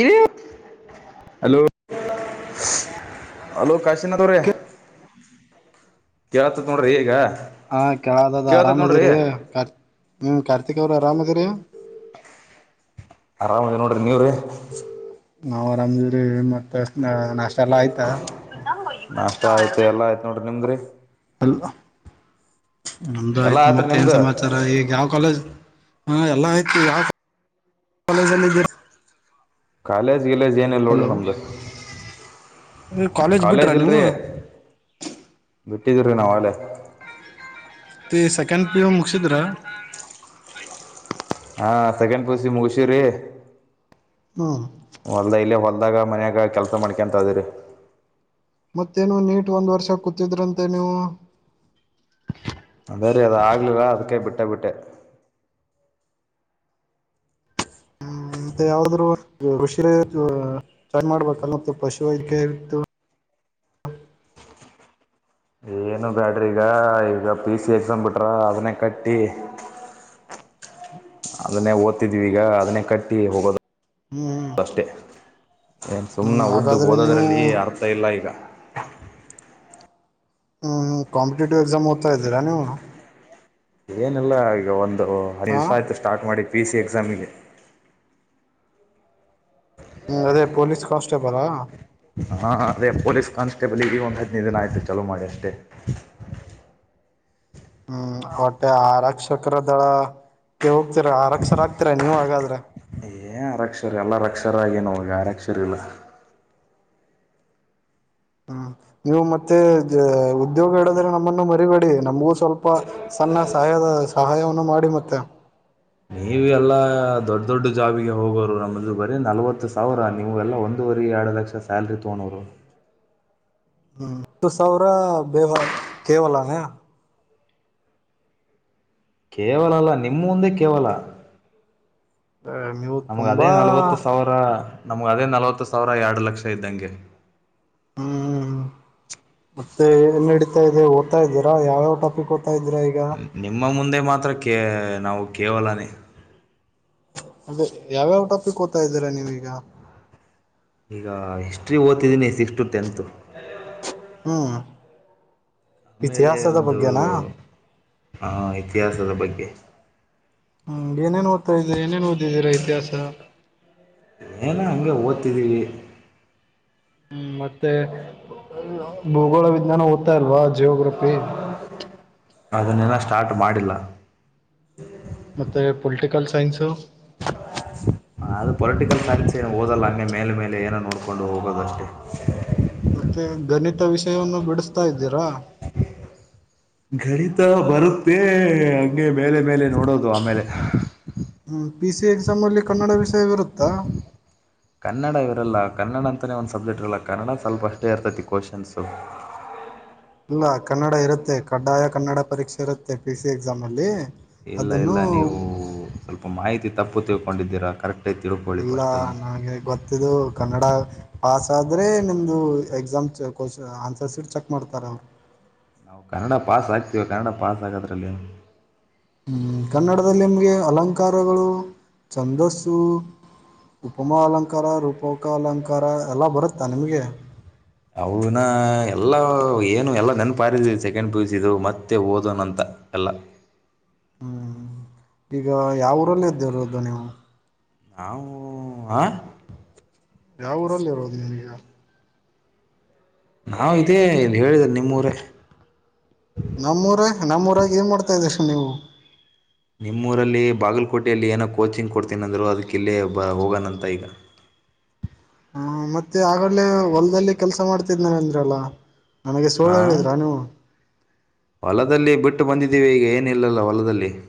E hello hello Kashinath ಅವ್ರೆ ಕೇಳತತ್ ನೋಡ್ರಿ ಈಗ ಹ ಕೇಳಾದದ ಕೇಳತತ್ ನೋಡ್ರಿ ಆರಾಮ್ದಿರಿ ಹ್ಮ ಕಾರ್ತಿಕ್ ಅವ್ರ ಆರಾಮ್ದಿರಿ ಅರಾಮ್ ಅದ ನೋಡ್ರಿ ನೀವ್ರೀ ನಾವುರಾಮ್ದೀರಿ ಮತ್ತ ನಾಷ್ಟಾ ನಾಷ್ಟ ಆಯ್ತು ಎಲ್ಲಾ ಆಯ್ತ ನೋಡ್ರಿ ನಿಮ್ದ್ರಿ ಅಲ್ಲಾ ನಮ್ದು ಎಲ್ಲಾ ಆಯ್ತು ಆತ್ರಿ ಮತ್ತ ಏನ್ ನಿಮ್ದು ಸಮಾಚಾರಾ ಈಗ ಯಾವ ಕಾಲೇಜ್ ಹಾ ಎಲ್ಲಾ ಆಯ್ತು ಯಾವ ಕಾಲೇಜ ಕಾಲೇಜಲ್ಲಿ ಇದ್ದೀರಾ ಕಾಲೇಜ್ ಗಿಲೇಜ್ ಏನಲ್ಲ ನೋಡ್ರಿ ಹಲೋ ನಮ್ದು ಕಾಲೇಜ್ ಬಿಟ್ರಾ ನೀವು ಇಲ್ರಿ ಬಿಟ್ ಬಿಟೀವರೀ ಆಗಲ್ಲೇ ಸೆಕೆಂಡ್ ಪಿ ಯು ಮುಗಸಿದ್ರ ಹಾ ಸೆಕೆಂಡ್ ಪಿಯುಸಿ ಮುಗುಷಿ ವರೀ ಹ್ಮ ಹೊಲ್ದ ಇಲ್ಲ ಹೊಲ್ದಾಗ ಮನ್ಯಾಗ ಕೆಲ್ಸ ಮಾಡ್ಕೊಂತ ಅದವ್ರಿ ಮತ್ತೇನು ನೀಟ್ ಒಂದ್ ವರ್ಷ ಕೂತಿದ್ರಂತೆ ನೀವು ಅದೇ ರೀ ಅದು ಆಗ್ಲಿಲ್ಲ ಅದಕ್ಕೆ ಬಿಟ್ಟೆ ಬಿಟ್ಟೆ ಮತ್ತೆ ಯಾವಾದ್ರು ಕೃಷಿ ಚನ್ನ ಮಾಡ್ಬೇಕಲ್ ಮ ಪಶು ಐಕ್ ಇ ಏನು ಬ್ಯಾಡ್ರಿ ಈಗ ಈಗ ಪಿ ಯು ಸಿ ಎಕ್ಸಾಮ್ ಬಿಟ್ರ ಅದನ್ನೇ ಕಟ್ಟಿ ಅದನ್ನೇ ಓದ್ತಿದ್ವಿ ಈಗ ಅದನ್ನೇ ಕಟ್ಟಿ ಹೋಗದು. ಹ್ಮ್ ಅಷ್ಟೇ ಏನ್ ಹ್ಮ್ ಸುಮ್ನೆ ಉದ್ದಗ್ ಹಾಗಾದ್ರೆ ನೀವು ಓದೋದ್ರಲ್ಲಿ ಅರ್ಥ ಇಲ್ಲ ಈಗಾ ಹ್ಮ್ ಕಾಂಪಿಟೇಟಿವ್ ಎಕ್ಸಾಮ್ ಓದ್ತಾ ಇದ್ದೀರಾ ನೀವು ಏನಲ್ಲ ಈಗ ಒಂದ ಹ ದಿವಸ ಆಯ್ತು ಸ್ಟಾರ್ ಮಾಡಿ ಪಿ ಸಿ ಎಕ್ಸಾಮ್ ಗೆ ಹ್ಮ ಅದೇ ಪೊಲೀಸ್ ಕಾನ್ಸ್ಟೇಬಲ್ ಆ ಹಾ ಅದೇ ಪೊಲೀಸ್ ಕಾನ್ಸ್ಟೇಬಲ್ ಇಡೀ ಒಂದು ಹದಿನೈದ ದಿನ ಆಯ್ತು ಚಾಲೋ ಮಾಡಿ ಅಷ್ಟೇ ಹ್ಮ್ ಹೊಟ್ಟೆ ಆರಕ್ಷಕರ ದಳಕ್ಕೆ ಹೋಗ್ತಿರ ಆರಕ್ಷರ ಆಗ್ತೀರ ನೀವ್ ಹಾಗಾದ್ರೆ ಏ ಆರಕ್ಷರ ಎಲ್ಲರಕ್ಷರ ಆಗೇ ನೋಗೆ ಆರಕ್ಷರ ಇಲ್ಲ ಹಾ ನೀವು ಮತ್ತೆ ಮತ್ತೆ ಉದ್ಯೋಗ ಹೇಳ್ರೆ ನಮ್ಮನ್ನು ಮರಿಬೇ ನಮ್ಮ ಸ್ವಲ್ಪ ಸಣ್ಣ ಸಹಾಯದ ಸಹಾಯವನ್ನು ಮಾಡ ಮತ್ತ ನೀವು ಎಲ್ಲ ದೊಡ್ಡ ದೊಡ್ಡ ಜಾಬಿಗೆ ಹೋಗೋರು ನಮ್ಮದು ಬರ ನಲ್ವತ್ತು ಸಾವಿರ ನೀವೆಲ್ಲ ಒಂದೂವರೆ ಎರಡು ಲಕ್ಷ ಸ್ಯಾಲ್ರಿ ತಗೊಂಡೋರು. ಹ್ಮ್ ಹತ್ತು ಸಾವಿರ ಬೇವ ಕೇವಲಾನೇ. ಕೇವಲ ಅಲ್ಲಾ ರಿ ನಿಮ್ಮ ಮುಂದೆ ಕೇವಲ ನೀವು ನಮಗ ಅದೇ ತುಂಬಾ ನಲ್ವತ್ತು ಸಾವಿರ ನಮ್ಮ ಅದೇ ನಲವತ್ತು ಸಾವಿರ ಎರಡು ಲಕ್ಷ ಇದ್ದಂಗೆ. ಹ್ಮ್ ಮತ್ತೆ ಏನ್ ನಡಿತಾ ಇದೆ ಓದ್ತಾ ಇದೀರಾ ಯಾವ ಯಾವ ಟಾಪಿಕ್ ಓದ್ತಾ ಇದ್ದೀರಾ ಈಗ ನಿಮ್ಮ ಮುಂದೆ ಮಾ ಮಾತ್ರ ಕ ನಾವು ಕೇವಲನೇ ಅದೇ ಯಾವ್ಯಾವ ಟಾಪಿಕ್ ಓದ್ತಾ ಇದ್ದೀರಾ ನೀವೀಗ. ಈಗ ಹಿಸ್ಟ್ರಿ ಓದ್ತಿದ್ದೀನಿ ಸಿಕ್ಸ್ತಟು ಟೆಂತು. ಹ ಇತಿಹಾಸದ ಬಗ್ಗೆನಾ. ಹಾ ಇತಿಹಾಸದ ಬಗ್ಗೆ ಹ್ಮ್ ಏನ್ ಏನ್ ಓದ್ತಾ ಏನ್ ಏನ್ ಒದ ಇಗ ಇರೋ ಇತಿಹಾಸ. ಇಲ್ಲಿಗ್ ಹ್ಮ್ ಮತ್ತೆ [unintelligible] ಭೂಗೋಳ ವಿಜ್ಞಾನ ಓದ್ತಾ ಇಲ್ವಾ ಜಿಯೋಗ್ರಫಿ ಅದನ್ನೆಲ್ಲ ಸ್ಟಾರ್ಟ್ ಮಾಡಿಲ್ಲ. ಮತ್ತೆ ಪೊಲಿಟಿಕಲ್ ಸೈನ್ಸು. ಅದು ಪೊಲಿಟಿಕಲ್ ಸೈನ್ಸ್ ಏನ ಓದಲ್ಲ ಹಂಗೆ ಮೇಲೆ ಮೇಲೆ ಏನೋ ನೋಡ್ಕೊಂಡು ಹೋಗೋದಷ್ಟೆ. ಮತ್ತೆ ಗಣಿತ ವಿಷಯವನ್ನು ಬಿಡಿಸ್ತಾ ಇದ್ದೀರಾ. ಗಣಿತ ಬರುತ್ತೆ ಹಂಗೆ ಮೇಲೆ ಮೇಲೆ. ನೋಡೋದು ಆಮೇಲೆ. ಪಿಸಿ ಎಕ್ಸಾಮಲ್ಲಿ ಕನ್ನಡ ವಿಷಯವಿರುತ್ತಾ. ಕನ್ನಡ ಇರಲ್ಲ ಕನ್ನಡ ಅಂತಲೇ ಒಂದು ಸಬ್ಜೆಕ್ಟ್ ಇರಲ್ಲ ಕನ್ನಡ ಸ್ವಲ್ಪ ಅಷ್ಟೇ ಇರ್ತೈತಿ ಕೋಶನ್ಸೂ. ಇಲ್ಲ ಕನ್ನಡ ಇರುತ್ತೆ ಕಡ್ಡಾಯ ಕನ್ನಡ ಪರೀಕ್ಷೆ ಇರುತ್ತೆ ಪಿ ಸಿ ಎಕ್ಸಾಮ್ ಅಲ್ಲಿ. ಇಲ್ಲ ಇಲ್ಲ ಅದನ್ನು ನೀವು ಮಾಹಿತಿ ತಪ್ಪು ತಿಳ್ಕೊಂಡಿದ್ದೀರಾ ಕರೆಕ್ಟ್ ಇಲ್ಲ ನನಗೆ ಗೊತ್ತಿದ್ದು ಕನ್ನಡ ಪಾಸಾದ್ರೆ ನಿಮ್ಮದು ಎಕ್ಸಾಮ್ ಕ್ ಆನ್ಸರ್ಸ್ ಶೀಟ್ ಚೆಕ್ ಮಾಡ್ತಾರೆ ಅವರ. ನಾವು ಕನ್ನಡ ಪಾಸ್ ಆಗ್ತಿವಿ ಕನ್ನಡ ಪಾಸ್ ಆಗದ್ರಲ್ಲಿ ಹ ಕನ್ನಡದಲ್ಲಿ ನಿಮಗೆ ಅಲಂಕಾರಗಳು ಛಂದಸ್ಸು ಉಪಮಾ ಅಲಂಕಾರ ರೂಪಕ ಅಲಂಕಾರ ಎಲ್ಲ ಬರುತ್ತಾ ನಿಮಗೆ. ಅವನ ಎಲ್ಲ ಏನು ಎಲ್ಲ ನೆನ್ಪಾರಿದ್ವಿ ಸೆಕೆಂಡ್ ಪಿಯುಸಿ ದೊಳಗ್ ಮತ್ತೆ ಓದನ ಅಂತ ಎಲ್ಲಾ. ಹ್ಮ್ ಈಗ ಯಾವ ಊರಲ್ಲ ಇದ್ದಿರೋದು ನೀವು ನಾವು ಆ ಯಾವ ಊರಲ್ಲಿ ಇರೋದು ನೀಗ ನಾ ಇದೇ ಹೇಳಿದ್ರು ನಿಮ್ಮೂರೇ ನಮ್ಮೂರ ನಮ್ಮೂರಾಗಿ ಏನ್ ಮಾಡ್ತಾ ಇದ್್ರ ಹಲ ನಿಮ್ಮೂರಲ್ಲಿ ಬಾಗಲಕೋಟೆಯಲ್ಲಿ ಏನೋ ಕೋಚಿಂಗ್ ಕೊಡ್ತೀನಂದರರು ಅದಕ್ಕಲ್ಲೇ ಬ ಹೋಗೋಣಂತ ಈಗ ಹ ಮತ್ತೆ ಆಗಲೆೇ ಹೊಲ್ದಲ್ಲಿ ನನಗೆ ಸುಳ್ಳು ಹ ಹೇಳಿದ್ರಾ ನೀವು ಹೊಲದಲ್ಲಿ ಬಿಟ್ಟು ಬಂದಿದ್ದೀವಿ ಈಗ ಏನಿಲ್ಲಲ್ಲ ಹೊಲದಲ್ಲಿ ಕಲೆ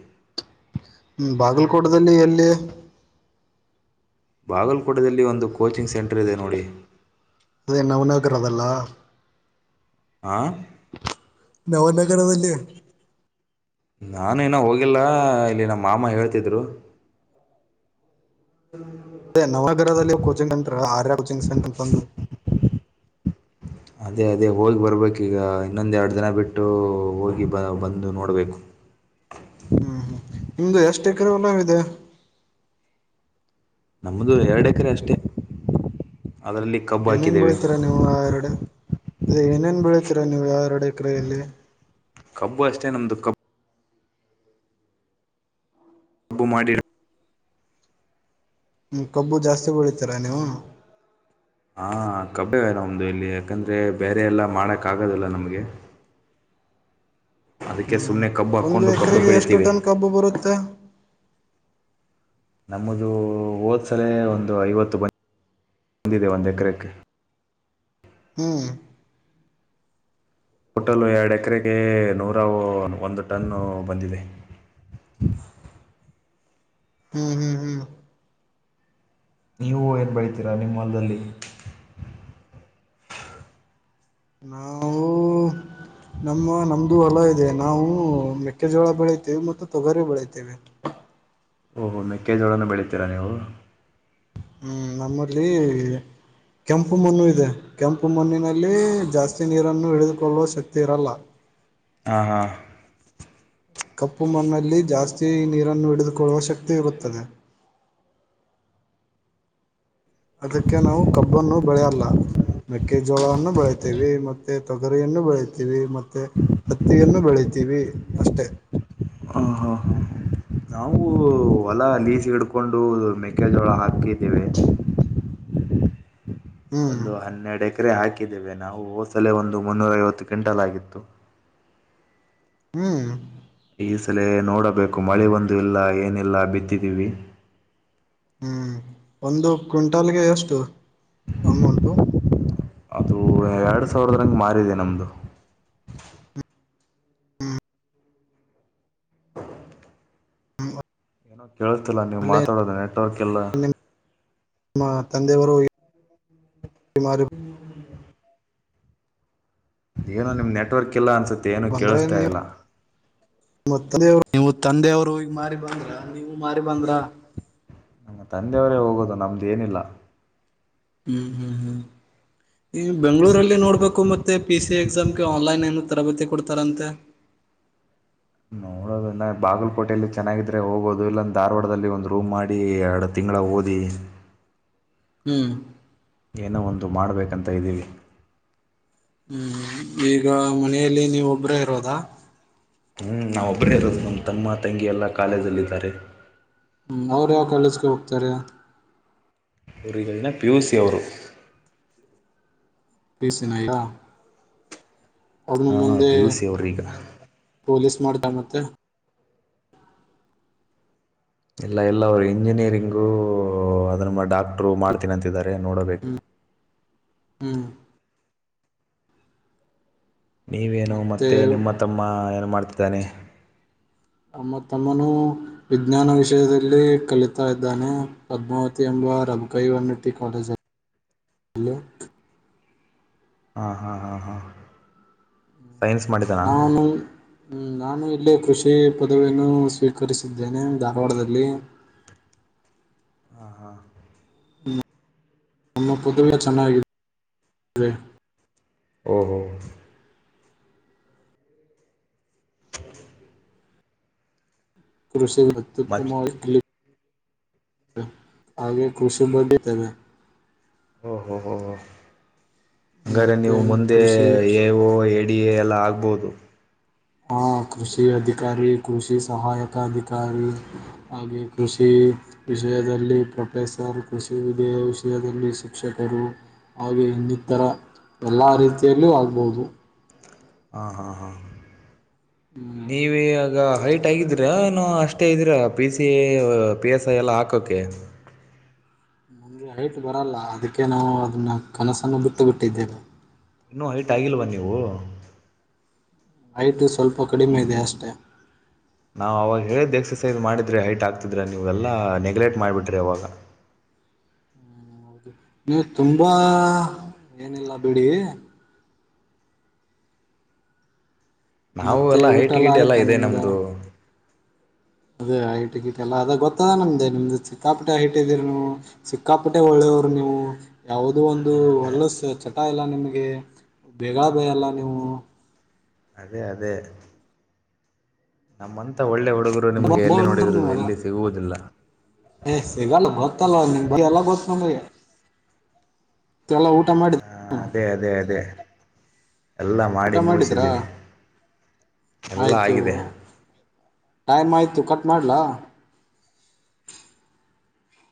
ಹ್ಮ್ ಬಾಗಲ್ಕೋಟದಲ್ಲಿ ಎಲ್ಲಿ ಬಾಗಲ್ಕೋಟದಲ್ಲಿ ಒಂದು ಕೋಚಿಂಗ್ ಸೆಂಟರ್ ಇದೆ ನೋಡಿ ಅದ ನವನಗರದಲ್ಲಾ ಹಾಂ ನೌನ ಕರದಲ್ಲೇ ನಾನು ನ ಹೋಗಿಲ್ಲ ಇಲ್ಲಿ ನಮ್ಮ ಮಾಮ ಹೇಳ್ತಿದ್ರು ಅದೇ ನವಗರದಲ್ಲಿ coaching centre Arya coaching centre ತಂದು ಅದೇ ಅದೇ ಹೋಗಿ ಬರಬೇಕುೀಗ ಇನ್ನೊಂದು ಎರಡು ದಿನ ಬಿಟ್ಟು ಹೋಗಿ ಬ ಬಂದು ನೋಡಬೇಕು ಹ್ಮ್ ಹ್ಮ್ ನಿಮ್ದು ಎಷ್ಟು ಎಕರೆಲ್ಲಾವಿದೆ ನಮ್ದ ಎರಡು ಎಕರೆ ಅಷ್ಟೆ ಏನೇನ್ ಬೆಳತೀರ ನೀವು ಆ ಎರಡೆ ಅೇ ಏನೇನ್ ಬೆೀಳತೀರಾ ನೀವು ಯಾರಡೆ ಎ ಕ್ರೆಯಲ್ಲಿ ಕಬ್ಬು ಅಷ್ಟೇ ನಮ್ದು ಕಬ್ಬ ಹಬ್ಬು ಮಾಡಿರ ಹಞ ಕಬ್ಬು ಜಾಸ್ತಿ ಬೆಳಿತೀರಾ ನೀವು ಒ ಇಲ್ಲಿ ಯಾಕಂದ್ರೆ ಬೇರೆ ಎಲ್ಲಾ ಮಾಡಕ್ ಆಗದಲ್ಲ ನಮ್ಗೆ ಹ್ಮ್ ಕಬ್ಬು ಒಂದು ಹಾಕ್ಕೊಂಡು ಕಬ್ಬು ಎಕರೆಗೆ ಎಷ್ಟು ಬೆಳಿತೀವಿ ಟನ್ ಕಬ್ಬು ಬರುತ್ತೆ ನಮ್ಮದು ಓದ್ಸಲೇ ಒಂದು ಐವತ್ತು ಬಂದ ಬಂದಿದೆ ಒಂದು ಎಕರೆಕ್ಕೆ ಹ್ಮ್ ಟೋಟಲು ಎರಡು ಎಕರೆಗೆ ನೂರ ಒಂದು ಟನ್ನು ಬಂದಿದೆ ಹ್ಮ್ ಹ್ಮ್ ಹ್ಮ್ ನೀವು ಏನ್ ಬೆಳತೀರಾ ನಿಮ್ಮಲ್ದಲ್ಲಿ ನಾವು ನಮ್ಮ ನಮ್ದು ಹೊಲ ಇದೆ ನಾವು ಮೆಕ್ಕೆಜೋಳ ಬೆಳತೇವಿ ಮತ್ತು ತೊಗರಿ ಬೆಳತೇವೆ ಓಹೋ ಮೆಕ್ಕೆಜೋಳನ ಬೆಳೀತೀರಾ ನೀವು ಹ್ಮ್ ನಮ್ಮಲ್ಲಿ ಕೆಂಪು ಮಣ್ಣು ಇದೆ ಕೆಂಪು ಮಣ್ಣಿನಲ್ಲಿ ಜಾಸ್ತಿ ನೀರನ್ನು ಹಿಳಿದುಕೊಳ್ಳುವ ಶಕ್ತಿ ಇರಲ್ಲ ಹಾ ಹಾ ಕಪ್ಪು ಮಣ್ಣಲ್ಲಿ ಜಾಸ್ತಿ ನೀರನ್ನು ಹಿಡಿದುಕೊಳ್ಳುವ ಶಕ್ತಿ ಇರುತ್ತದೆ ಅದಕ್ಕೆ ನಾವು ಕಬ್ಬನ್ನು ಬೆಳೆಯಲ್ಲ ಮೆಕ್ಕೆಜೋಳವನ್ನು ಬೆಳತೇವಿ ಮತ್ತೆ ತೊಗರಿಯನ್ನು ಬೆಳಿತೀವಿ ಮತ್ತೆ ಹತ್ತಿಯನ್ನು ಬೆಳಿತೀವಿ ಅಷ್ಟೇ ಹಾ ಹಾ ಹಾ ನಾವು ಹೊಲ ಲೀಸ ಹಿಡ್ಕೊಂಡು ಮೆಕ್ಕೆಜೋಳ ಹಾಕಿದ್ದೇವೆ ಹ್ಮ್ ಒಂದು ಹನ್ನೆರಡು ಎಕರೆ ಹಾಕಿ ಹಾಕಿದ್ದೇವೆ ನಾವು ಹೋಸಲಲೆ ಒಂದು ಮುನ್ನೂರ ಐವತ್ತು ಕ್ವಿಂಟಲ್ ಆಗಿತ್ತು ಹ್ಮ್ ಈ ಸಲ ನೋಡಬೇಕು ಮಳೆ ಒಂದು ಇಲ್ಲ ಏನಿಲ್ಲ ಬಿಿದ್ದಿದ್ದೀವಿ ಹ್ಮ್ ಒಂದು ಕ್ವಿಂಟಾಲ್ಗೆ ಎಷ್ಟು ಅಮೌಂಟು ಅದು ಎರಡು ಸಾವಿರದ ಹಂಗೆ ಮಾರಿದೆ ನಮ್ದು ಏನೂ ಕೇಳ್ತಿಲ್ಲಾ ನೀವು ಅಲ್ಲೇ ಮಾತಾಡೋದ ಅಟರಕಲ್ಲ ನಮ್ಮ ತಂದೆಯವರು ಇ ಮಾಡಾರ ಏನೋ ನಿಮ್ ನೆಟ್ವರ್ಕ್ ಇಲ್ಲಾ ಅನ್ಸುತ್ತೆ ಮತ್ತ ಏನು ಬಂದ್ರೆ ಕೇಳಿಸ್ತಾ ನೀವು ಇಲ್ಲ ನೀವು ತಂದೆಯವರು ಈ ಮಾರಿ ಬಂದ್ರ ನೀವು ಮಾರಿ ಬಂದ್ರ ನಮ್ದೇನಿಲ್ಲ ಹ್ಮ್ ಹ್ಮ್ ಹ್ಮ್ ಈ ಬೆಂಗಳೂರಲ್ಲಿ ನೋಡ್ಬೇಕು ಮತ್ತೆ ಪಿ ಸಿ ಎಕ್ಸಾಮ್ಗೆ ಆನ್ಲೈನ್ ಏನು ತರಬೇತಿ ಕೊಡ್ತ ತಾರಣಂತೆ ನೋಡೋದಂದ ಬಾಗಲಕೋಟೆೆಯಲ್ಲಿ ಚೆನ್ನಾಗಿದ್ರೆ ಹೋಗೋದು ಇಲ್ಲಾಂದ ಧಾರವಾಡದಲ್ಲಿ ಒಂದು ರೂಮ್ ಮಾಡಿ ಎರಡು ತಿಂಗಳ ಓದಿ ಹ್ಮ್ ಏನೋ ಒಂದು ಮಾಡಬೇಕಂತ ಇದ್ದೀವಿ ಹ್ಮ್ ಈಗ ಮನೆಯಲ್ಲಿ ನೀವು ಒಬ್ಬರೇ ಇರೋದಾ ಹ್ಮ್ ನಾವ್ ಒಬ್ರೆ ಇರೋದು ನಮ್ಮ ತಮ್ಮ ತಂಗಿ ಎಲ್ಲ ಕಾಲೇಜಲ್ಲಿದ್ದಾರೆ ಹ್ಮ ಅವ್ರ ಯಾವ ಕಾಲೇಜ್ಗೆ ಹೋಗ್ತಾರೆ ಊರಿಗಳನ್ನ ಪಿಯುಸಿ ಅವರು - ಪಿಯುಸಿ ನಾ ಎಲ್ಲ ಅವ್ರ ಹಾಂ ಮುಂದೆ ಪಿ ಯು ಸಿ ಅವ್ರೀಗ ಪೊಲೀಸ್ ಮಾಡ್ತ ಹ್ಮ್ ಮತ್ತೆ ಎಲ್ಲ ಎಲ್ಲ ಅವರು ಇಂಜಿನಿಯರಿಂಗು ಅದ್ರ ಡಾಕ್ಟರು ಮಾಡ್ತೀನಿ ಅಂತಿದ್ದಾರೆ ರೆ ನೋಡಬೇಕು ಹ್ಮ್ ನೀವೇನು ಮತ್ತೆ ನಿಮ್ಮ ತಮ್ಮ ಏನ್ ಮಾಡ್ತ ತನೆ ನಮ್ಮ ತಮ್ಮನು ವಿಜ್ಞಾನ ವಿಷಯದಲ್ಲಿ ಕಲಿತಾ ಇದ್ದಾನೆ ಪದ್ಮಾವತಿ ಎಂಬ ರಬುಕೈ ವನ್ನಟ್ಟಿ ಕಾಲೇಜಲ್ಲಿ [unintelligible] ಹಾ ಹಾ ಹಾ ಹಾ ಸೈನ್ಸ್ ಮಾಡಿದ್ದಾನ ನಾನು ನಾನು ಇಲ್ಲೇ ಕೃಷಿ ಪದವಿಯನ್ನು ಸ್ವೀಕರಿಸಿದ್ದೇನೆ ಧಾರವಾಡದಲ್ಲಿ ಹಾ ಹಾ ನಮ್ಮ ಪದುವೆಯ ಚೆನ್ನಾಗಿದೆ ಹ ಹ [inaudible] ಕಷಿ ಅತ್ಯುತ್ತಮ ಮತ್ತು ಕ್ಲಿಪ್ ಆಗೇ ಕೃಷಿ ಬಗೆ ತೆವೆ ಹ ಓ ಹೋ ಹ ಹ ಹಂಗಾರೆ ಮತ್ತೆ ನೀವು ಮುಂದೆ ಕೃಷಿ ಎ ಓ ಎಡಿ ಎ ಎಲ್ಲ ಆಗ ಹೌದು ಹಾ ಕೃಷಿ ಅಧಿಕಾರಿ ಕೃಷಿ ಸಹಾಯಕ ಅಧಿಕಾರಿ ಹಾಗೆ ಕೃಷಿ ವಿಷಯದಲ್ಲಿ ಪ್ರೊಫೆಸರ್ ಕೃಷಿ ವಿಧ ವಿಷಯದಲ್ಲಿ ಶಿಕ್ಷಕರು ಹಾಗೆ ಇನ್ನಿತರ ಎಲ್ಲ ರೀತಿಯಲ್ಲೂ ಆಗ್ಬಹದು ಹಾ ಹಾ ಹಾ ಹ್ಮ್ ನೀವಿಗ ಹೈಟ್ ಆಗಿದೀರ ಅಷ್ಟೇ ಇದೀರ P C A P S I ಎಲ್ಲ ಹಾಕೋಕ್ಕೆೆ ಮುಂದೆ ಐಟ್ ಬರಲ್ಲ ಅದಕ್ಕೆ ನಾವು ಅದನ್ನ ಕನಸನ್ನು ಬಿಟ್ಟು ಬಿಟ್ಟಿದ್ದೇವೆ ಇನ್ನುೂ ಹೈಟ್ ಆಗಿಲ್ವಾ ನೀವು ಹೈಟು ಸ್ವಲ್ಪ ಕಡಿಮೆ ಇದೆ ಅಷ್ಟೆ ನಾವು ಅವವಾಗ ಹೇಳಿದ್ದು ಎಕ್ಸಸೈಸ್ ಮಾಡಿದ್ರೆ ಹೈಟ್ ಆಗ್ತಿದ್ರೆ ನೀವುಗೆಲ್ಲ ನೆಗ್ಲೆಕ್ಟ್ ಮಾಡಿಬಿಟ್ರಿ ಅವಾಗ ನೀವು ತುಂಬಾ ಏನಿಲ್ಲ ಬಿಡಿ ನಾವು ಮತ್ತೆ ಎಲ್ಲಾ ಊಟ ಹೈಟ ಎಲ್ಲ ಗಿಟ್ ಎಲ್ಲಾ ಆಯ್ತಾ ಇದೆ ನಿಮ್ದು ನಮ್ದು ಅದೇ ಐಟ ಗಿಟ್ ಎಲ್ಲಾ ಅದ ಗೊತ್ತದ ನಮ್ದೆ ನಿಮ್ದು ಸಿಕ್ಕಾಪಟೆ ಐಟ್ ಇದೀರಿ ನೀವು ಸಿಕ್ಕಾಪಟೆ ಒಳ್ಳೇವರು ನೀವು ಯಾವುದೋ ಒಂದು ಅದೇ ಅದೇ ಹೊಲಸ್ ಚಟ ಇಲ್ಲ ನಿಮಗೆ ಹಾಗೆ ಬೇಗಳ ಬೇಯಲ್ಲ ನೀವು ಅದೇ ಅದೇ ನಮ್ಮಂತ ಒಳ್ಳೆಯವರು ಫೋನ್ ಫೋನ್ ಏ ಸಿಗಲ್ಲ ಗೊತ್ತಲ್ಲವ ನಿಮಗೆ ಎಲ್ಲ ಗೊತ್ತ ನಮಗೆ ಎಲ್ಲ ಊಟ ಮಾಡಿದ ಹಾ ಅದೇ ಅದೇ ಅದೇ ಎಲ್ಲ ಮಾಡಿ ಊಟ ಮಾಡಿದ್ರಾ ಮುಗಿಸಿದ್ದೀನಿ ಎಲ್ಲಾ ಆಯ್ತು ಆಗಿದೆ ಟೈಮ್ ಆಯಿತು ಕಟ್ ಮಾಡಲ